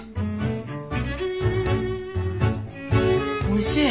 おいしい。